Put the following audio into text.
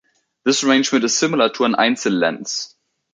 This arrangement is similar to an Einzel lens.